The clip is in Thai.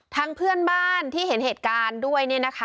ทางเพื่อนบ้านที่เห็นเหตุการณ์ด้วยนะคะ